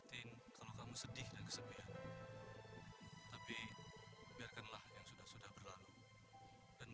kira kira ada yang cemburu gak kalau saya hantar kamu pulang